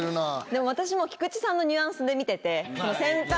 でも私も菊池さんのニュアンスで見てて。